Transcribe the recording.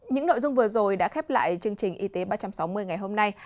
những nội dung vừa rồi đã khép lại chương trình y tế ba trăm sáu mươi ngày hôm nay